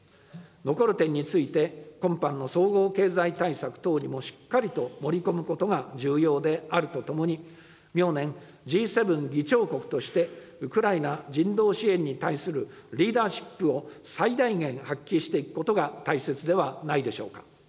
残る点について、今般の総合経済対策等にもしっかりと盛り込むことが重要であるとともに、明年、Ｇ７議長国として、ウクライナ人道支援に対するリーダーシップを最大限発揮していくことが大切ではないでしょうか。